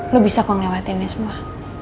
lo bisa kok ngewatinnya semua